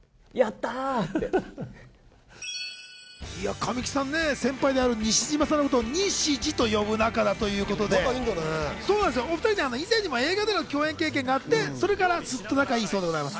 神木さん、先輩である西島さんのことをにしじと呼ぶ中だということで、お２人、以前にも映画での共演があって、それからずっと仲がいいそうだそうです。